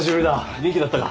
元気だったか？